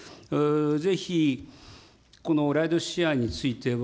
ぜひ、このライドシェアについては、